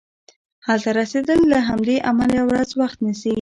هلته رسیدل له همدې امله یوه ورځ وخت نیسي.